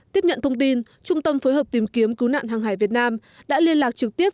tiếp nhận thông tin trung tâm phối hợp tìm kiếm cứu nạn hàng hải việt nam đã liên lạc trực tiếp